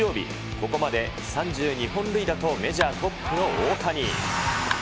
ここまで３２本塁打と、メジャートップの大谷。